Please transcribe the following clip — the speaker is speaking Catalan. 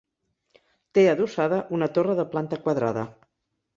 Té adossada una torre de planta quadrada.